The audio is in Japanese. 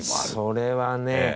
それはね